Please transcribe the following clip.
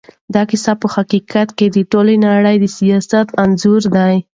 دا کيسه په حقیقت کې د ټولې نړۍ د سياست انځور دی.